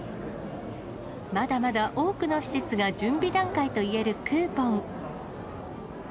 まだまだ多くの施設が準備段階と言えるクーポン。